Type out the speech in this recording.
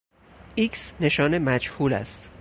ایکس نشان مجهول است.